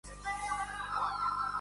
vinaweza kuakifishwa kwa nunge,